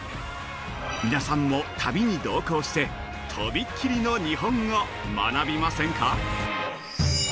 皆さんも旅に同行して飛び切りの日本を学びませんか。